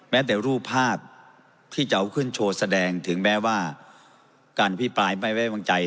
แม้แต่รูปภาพที่จะเอาขึ้นโชว์แสดงถึงแม้ว่าการพิปรายไม่ไว้วางใจ